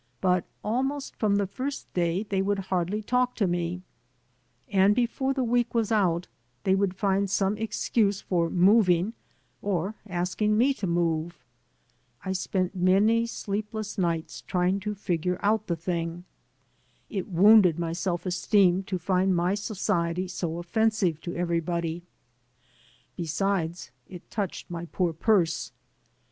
'' But almost from the first day they would hardly talk to me, and before the week was out they would find • some excuse for moving or asking me to move. I spent many sleepless nights trying to figure out the thing.. It wounded my self esteem to find my society so offensive to everybody. Besides, it touched my poor purse.